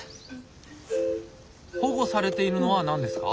保護されているのは何ですか？